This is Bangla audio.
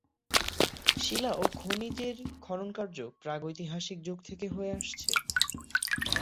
শিলা ও খনিজের খননকার্য প্রাগৈতিহাসিক যুগ থেকে হয়ে আসছে।